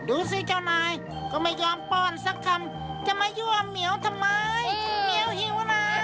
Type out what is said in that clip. ดูสิเจ้านายก็ไม่ยอมป้อนสักคำจะมายั่วเหมียวทำไมเหมียวหิวนะ